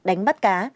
đánh bắt cá